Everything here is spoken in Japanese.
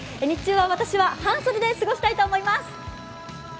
日中は私は半袖で過ごしたいと思います。